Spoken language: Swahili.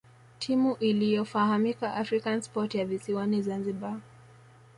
Timu iliyofahamika African Sport ya visiwani Zanzibar